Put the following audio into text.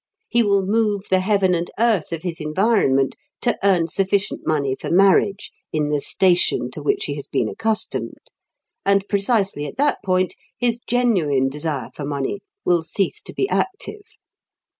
He will move the heaven and earth of his environment to earn sufficient money for marriage in the "station" to which he has been accustomed; and precisely at that point his genuine desire for money will cease to be active.